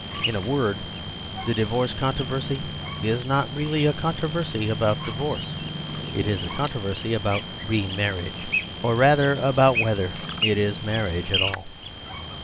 In a word, the divorce controversy is not really a controversy about divorce. It is a controversy about re marriage; or rather about whether it is marriage at all.